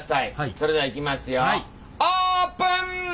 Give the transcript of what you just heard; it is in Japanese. それではいきますよオープン！